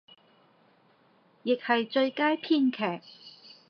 亦係最佳編劇